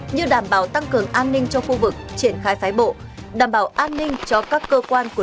như đảm bảo tăng cường an ninh cho khu vực triển khai phái bộ đảm bảo an ninh cho các cơ quan của